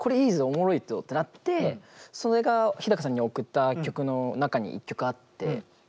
オモロいってなってそれが日高さんに送った曲の中に１曲あって。